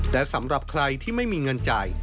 และสำหรับใครที่ไม่มีเงินจ่าย